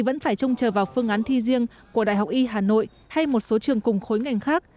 vẫn phải trông chờ vào phương án thi riêng của đại học y hà nội hay một số trường cùng khối ngành khác